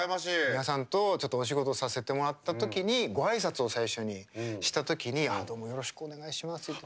美輪さんとちょっとお仕事させてもらったときにごあいさつを最初にしたときにどうもよろしくお願いしますって。